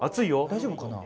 大丈夫かな？